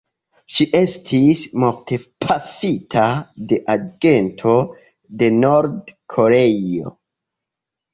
Ŝi estis mortpafita de agento de Nord-Koreio.